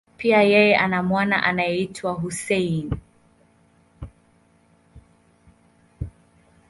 Pia, yeye ana mwana anayeitwa Hussein.